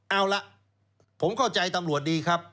เอาล่ะผมเข้าใจตำรวจดีครับ